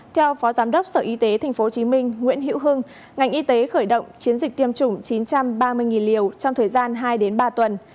theo phó giám đốc sở y tế tp hcm nguyễn hữu hưng ngành y tế khởi động chiến dịch tiêm chủng chín trăm ba mươi liều trong thời gian hai ba tuần